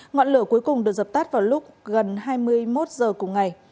ngọn lửa cuối cùng được dập tắt vào lúc gần hai mươi một h cùng ngày